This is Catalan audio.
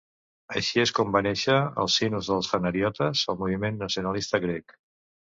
Així és com va néixer, al sinus dels fanariotes, el moviment nacionalista grec.